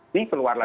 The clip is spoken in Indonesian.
ini keluar lagi